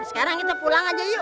sekarang kita pulang aja yuk